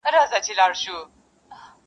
بوډا ژړل ورته یوازي څو کیسې یادي وې-